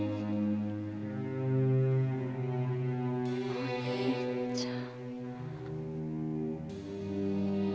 お兄ちゃん。